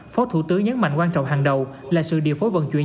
phó thủ tướng nhấn mạnh quan trọng hàng đầu là sự điều phối vận chuyển